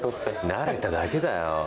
慣れただけだよ。